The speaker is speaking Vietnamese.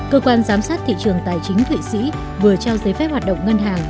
cơ quan giám sát thị trường tài chính thụy sĩ vừa trao giấy phép hoạt động ngân hàng